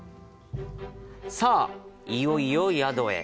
さあ、いよいよ宿へ。